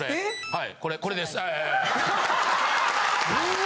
はいこれこれです。うわ！